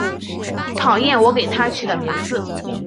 讨厌我给她取的名字